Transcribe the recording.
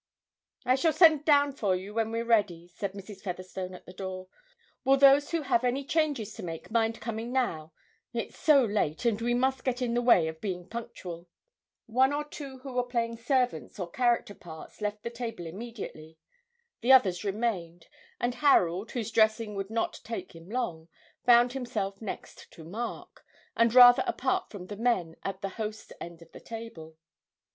'I shall send down for you when we're ready,' said Mrs. Featherstone at the door. 'Will those who have any changes to make mind coming now it's so late, and we must get in the way of being punctual.' One or two who were playing servants or character parts left the table immediately; the others remained, and Harold, whose dressing would not take him long, found himself next to Mark, and rather apart from the men, at the host's end of the table.